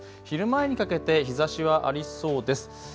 昼前にかけて日ざしはありそうです。